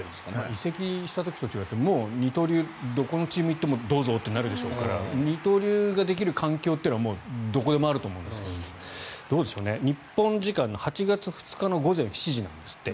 移籍した時と違って二刀流はどこのチームに行ってもどうぞとなるでしょうから二刀流ができる環境はどこでもあると思うんですけどどうでしょうね、日本時間の８月２日午前７時なんですって。